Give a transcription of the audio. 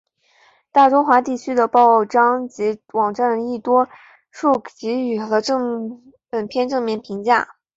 大中华地区的报章及网站亦多数给予了本片正面评价。